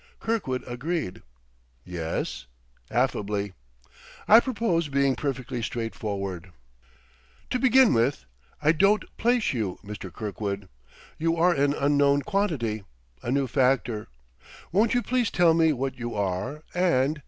Kirkwood agreed "Yes?" affably. "I purpose being perfectly straightforward. To begin with, I don't place you, Mr. Kirkwood. You are an unknown quantity, a new factor. Won't you please tell me what you are and....